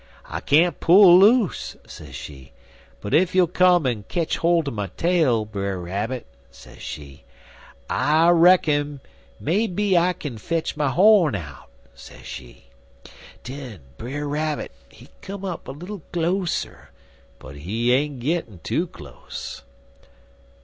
'I can't pull loose,' sez she, 'but ef you'll come en ketch holt er my tail, Brer Rabbit,' sez she, 'I reckin may be I kin fetch my horn out,' sez she. Den Brer Rabbit, he come up little closer, but he ain't gittin' too close.